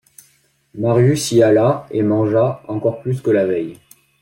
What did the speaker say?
Marius y alla, et mangea encore plus que la veille.